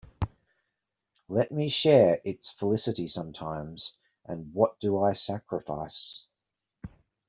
Let me share its felicity sometimes, and what do I sacrifice?